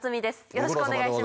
よろしくお願いします。